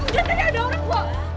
tidak ada orang